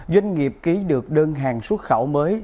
doanh nghiệp ký được đơn hàng xuất khẩu mới